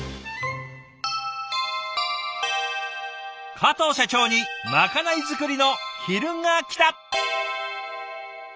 加藤社長にまかない作りの昼がきた！